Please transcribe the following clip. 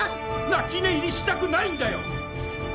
泣き寝入りしたくないんだよ！